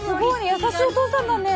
優しいお父さんだね。